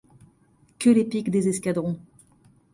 Que les piques des escadrons !